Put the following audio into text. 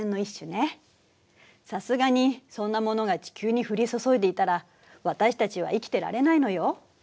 さすがにそんなものが地球に降り注いでいたら私たちは生きてられないのよ。